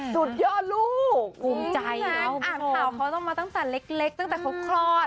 สุดยอดลูกภูมิใจนะครับผมค่ะนักอ่านข่าวเขาต้องมาตั้งแต่เล็กตั้งแต่ครบครอบ